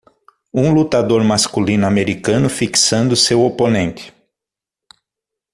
Um lutador masculino americano fixando seu oponente.